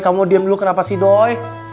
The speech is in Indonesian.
kamu diam dulu kenapa doi